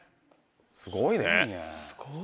すごいね。